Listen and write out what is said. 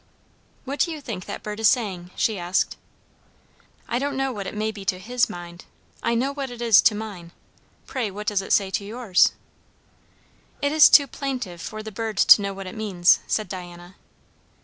"What do you think that bird is saying?" she asked. "I don't know what it may be to his mind; I know what it to mine. Pray, what does it say to yours?" "It is too plaintive for the bird to know what it means," said Diana.